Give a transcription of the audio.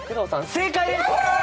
正解です。